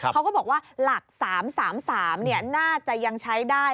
เขาก็บอกว่าหลัก๓๓น่าจะยังใช้ได้